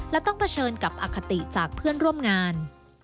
และต้องเผชิญกับอคติจากเพื่อนร่วมงาน